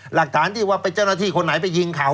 หลักฐานที่เป็นเจ้านาฏีมีใครไปยิงเขา